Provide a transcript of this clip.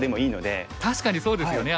確かにそうですよね。